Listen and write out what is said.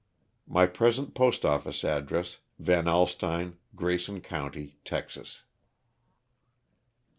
My present postoffice address, Van Alstyne, Grayson county, Texas.